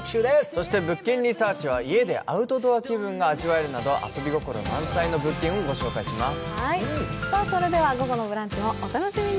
そして、「物件リサーチ」は家でアウトドア気分が味わえるなど遊び心満載の物件を紹介します。